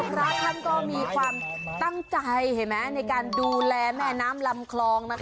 พระท่านก็มีความตั้งใจเห็นไหมในการดูแลแม่น้ำลำคลองนะคะ